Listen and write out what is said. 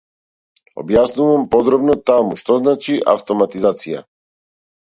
Објаснувам подробно таму - што значи автоматизација.